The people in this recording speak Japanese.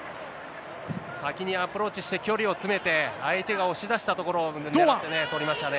先にアプローチして、距離を詰めて、相手が押し出したところをねらってね、取りましたね。